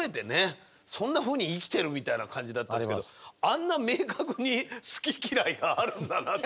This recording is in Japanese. そんなふうに生きてるみたいな感じだったんですけどあんな明確に好き嫌いがあるんだなと。